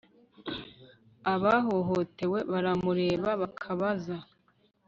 abahohotewe baramureba bakabaza